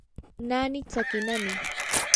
naani tsakinami.